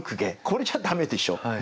これじゃ駄目でしょう。